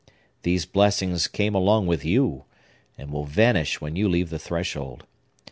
These blessings came along with you, and will vanish when you leave the threshold.